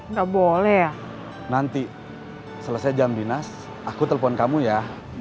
nggak boleh ya nanti selesai jam dinas aku telpon kamu ya